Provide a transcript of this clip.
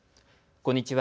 こんにちは。